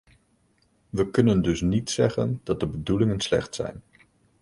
We kunnen dus niet zeggen dat de bedoelingen slecht zijn.